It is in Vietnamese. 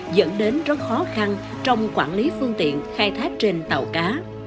dẫn đến rất khó khăn trong quản lý phương tiện khai thác trên tàu cá